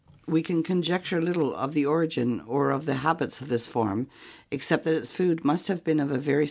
We can con jecture little of the origin or of the habits of this form except that i t s food must have been of a very Fio.